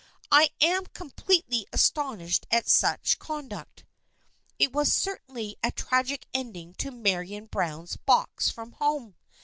I am completely astonished at such conduct." It was certainly a tragic ending to Marian Browne's box from home.